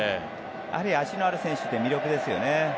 足のある選手って魅力ですよね。